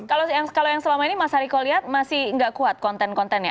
kalau yang selama ini mas hariko lihat masih nggak kuat konten kontennya